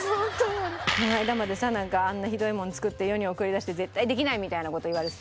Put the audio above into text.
この間までさなんかあんなひどいもん作って世に送り出して絶対できない！みたいな事言われてたのに。